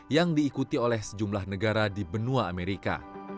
yang diikuti oleh sejumlah negara di benua amerika